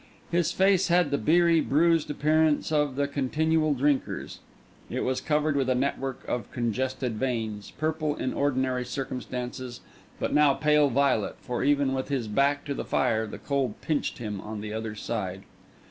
His face had the beery, bruised appearance of the continual drinker's; it was covered with a network of congested veins, purple in ordinary circumstances, but now pale violet, for even with his back to the fire the cold pinched him on the other side.